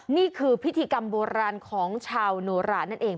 นี่คือพิธีกรรมโบราณของชาวโนรานั่นเอง